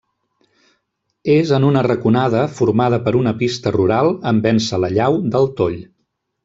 És en una raconada formada per una pista rural en vèncer la llau del Toll.